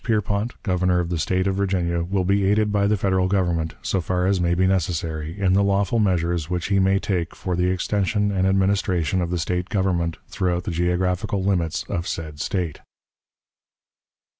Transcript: Pierpont, Governor of the State of Virginia, will be aided by the Federal Government, so far as may be necessary, in the lawful measures which he may take for the extension and administration of the State government throughout the geographical limits of said State."